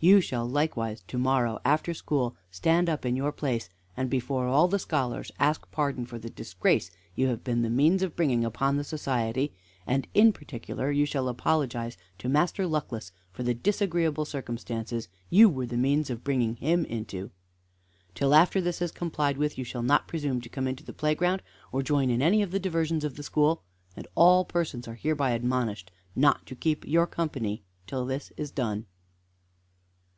You shall likewise to morrow after school stand up in your place and before all the scholars ask pardon for the disgrace you have been the means of bringing upon the society, and in particular you shall apologize to Master Luckless for the disagreeable circumstances you were the means of bringing him into. Till after this is complied with you shall not presume to come into the playground or join in any of the diversions of the school, and all persons are hereby admonished not to keep you company till this is done."